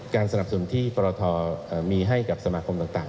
สนับสนุนที่ปรทมีให้กับสมาคมต่าง